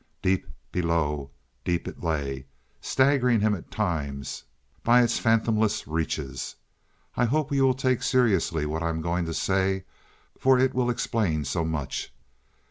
Deep below deep it lay, staggering him at times by its fathomless reaches. "I hope you will take seriously what I am going to say, for it will explain so much.